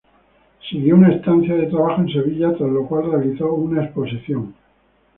Siguió una estancia de trabajo en Sevilla, tras la cual realizó una exposición.